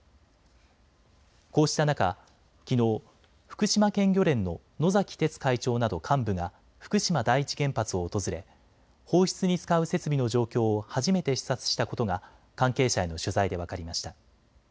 こうした中、きのう福島県漁連の野崎哲会長など幹部が福島第一原発を訪れ、放出に使う設備の状況を初めて視察したことが関係者への取材で分かりました。